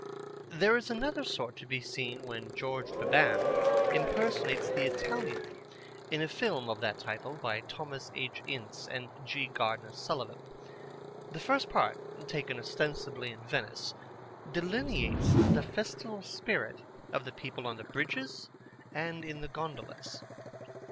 There is another sort to be seen where George Beban impersonates The Italian in a film of that title, by Thomas H. Ince and G. Gardener Sullivan. The first part, taken ostensibly in Venice, delineates the festival spirit of the people on the bridges and in gondolas.